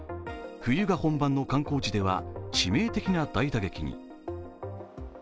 冬が本番の観光地では致命的な大打撃に。